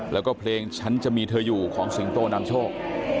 แล้วก็เพลงฉันจะมีเธออยู่ของสิงโตนำโชค